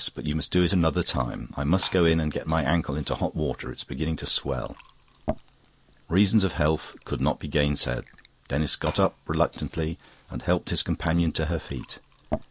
But you must do it another time. I must go in and get my ankle into hot water. It's beginning to swell." Reasons of health could not be gainsaid. Denis got up reluctantly, and helped his companion to her feet.